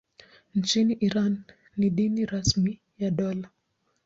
Nchini Iran ni dini rasmi ya dola.